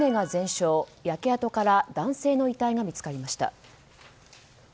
焼け跡から男性の遺体が見つかりました。